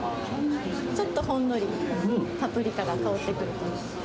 ちょっとほんのりパプリカが香ってくると思います。